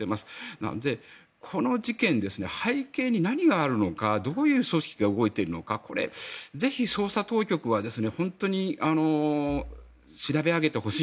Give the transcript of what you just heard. なので、この事件背景に何があるのかどういう組織が動いているのかぜひ、捜査当局は本当に調べ上げてほしい。